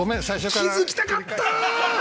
気付きたかった！